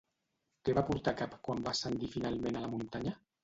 Què va portar a cap quan va ascendir finalment a la muntanya?